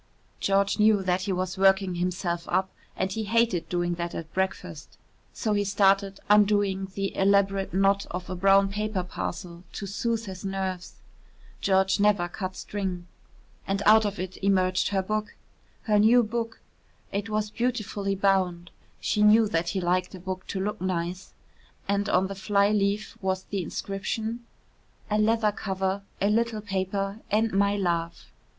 George knew that he was working himself up and he hated doing that at breakfast. So he started undoing the elaborate knot of a brown paper parcel to soothe his nerves George never cut string. And out of it emerged her book her new book. It was beautifully bound (she knew that he liked a book to look nice) and on the fly leaf was the inscription: "A leather cover, a little paper and my love."